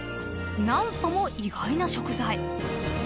［何とも意外な食材］